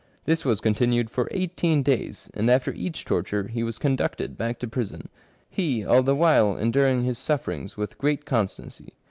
This was continued for eighteen days, and after each torture he was conducted back to prison, he all the while enduring his sufferings with great constancy.